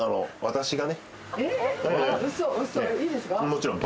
もちろん。